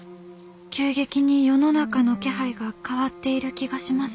急激に世の中の気配が変わっている気がします。